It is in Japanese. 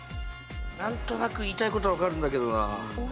なんとなく言いたいことは分かるんだけどな。